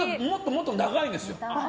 もっと長いんですよ。